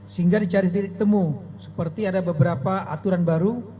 sehingga dicari titik temu seperti ada beberapa aturan baru